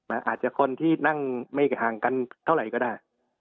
อาจจะคนที่นั่งไม่ห่างกันเท่าไหร่ก็ได้